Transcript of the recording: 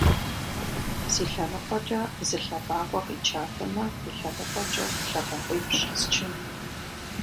Си лъэныкъуэкӏэ зы лъэбакъуэ къичатэмэ, и лъэныкъуэкӏэ лъэбакъуипщӏ счынт.